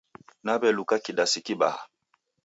Naw'elukakidasi kibaha.